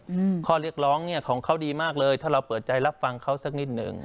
อืมข้อเรียกร้องเนี้ยของเขาดีมากเลยถ้าเราเปิดใจรับฟังเขาสักนิดหนึ่ง